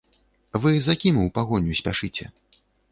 Вы за кім у пагоню спяшыце?